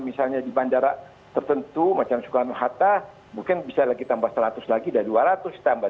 misalnya di bandara tertentu macam sukarno hatta mungkin bisa lagi tambah seratus lagi sudah dua ratus tambah